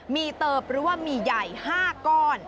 มีเติบหรือว่ามีใหญ่๕ก้อน